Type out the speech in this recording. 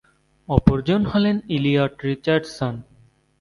অপরজন হলেন Eliot Richardson.